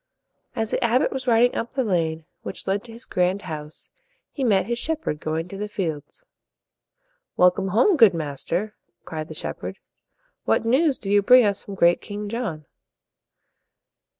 As the abbot was riding up the lane which led to his grand house, he met his shep herd going to the fields. "Welcome home, good master!" cried the shepherd. "What news do you bring us from great King John?"